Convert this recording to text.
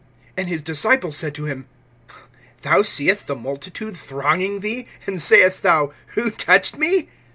(31)And his disciples said to him: Thou seest the multitude thronging thee, and sayest thou: Who touched me?